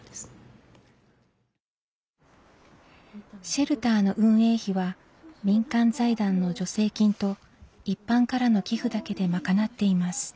シェルターの運営費は民間財団の助成金と一般からの寄付だけで賄っています。